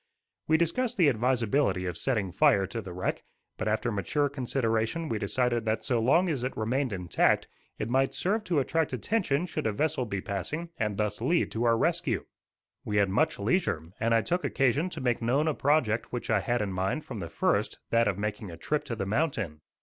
We discussed the advisability of setting fire to the wreck, but after mature consideration we decided that so long as it remained intact, it might serve to attract attention should a vessel be passing, and thus lead to our rescue. We had much leisure, and I took occasion to make known a project which I had in mind from the first, that of making a trip to the mountain.